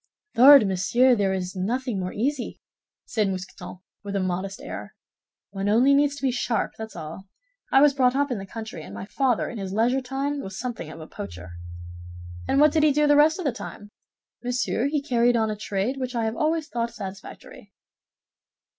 "Lord, monsieur! There is nothing more easy," said Mousqueton, with a modest air. "One only needs to be sharp, that's all. I was brought up in the country, and my father in his leisure time was something of a poacher." "And what did he do the rest of his time?" "Monsieur, he carried on a trade which I have always thought satisfactory."